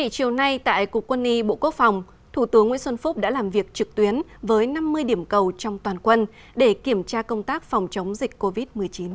trong khi bộ quốc phòng thủ tướng nguyễn xuân phúc đã làm việc trực tuyến với năm mươi điểm cầu trong toàn quân để kiểm tra công tác phòng chống dịch covid một mươi chín